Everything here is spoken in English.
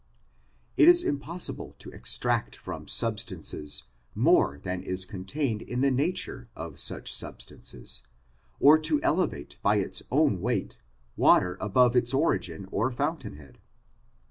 It is impossible to extract from substances, more than is contained in the nature of such substances, or to elevate by its own weight, water above its ori gin or fountain head.